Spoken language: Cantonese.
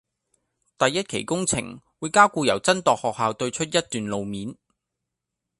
第一期工程會加固由真鐸學校對出一段路面